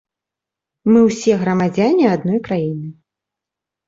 Мы ўсе грамадзяне адной краіны.